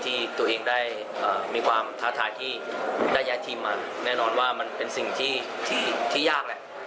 ที่ตัวเองได้มีความท้าทายที่ได้ย้ายทีมมาแน่นอนว่ามันเป็นสิ่งที่ยากแหละ